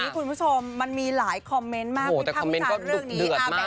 คุณผู้ชมมันมีหลายคอมเมนต์มากแต่คอมเมนต์ก็เดือดมาก